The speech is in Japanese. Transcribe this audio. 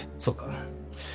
そうか。